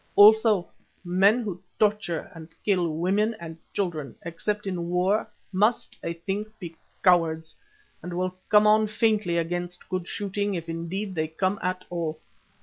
Also men who torture and kill women and children, except in war must, I think, be cowards, and will come on faintly against good shooting, if indeed they come at all.